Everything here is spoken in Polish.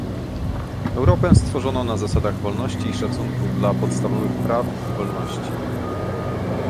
Europę stworzono na zasadach wolności i szacunku dla podstawowych praw i wolności